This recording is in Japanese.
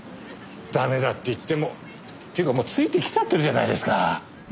ダメだって言ってもっていうかもうついてきちゃってるじゃないですか！